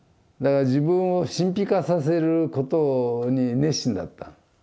だから自分を神秘化させることに熱心だった。